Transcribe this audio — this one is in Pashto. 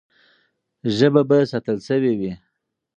ژبه به ساتل سوې وي.